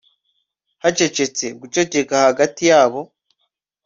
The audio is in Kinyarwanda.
hacecetse guceceka hagati yabo